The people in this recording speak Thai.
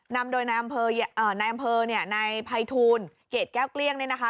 นำโดยนายอำเภอในภัยทูลเกรดแก้วเกลี้ยงนี่นะคะ